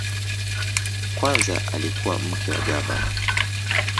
Kwanza alikuwa mke wa gavana.